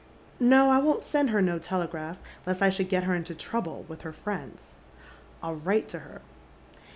" No, I won't send her no telegrafts, lest I should get her into trouble with her friends. I'll write to her."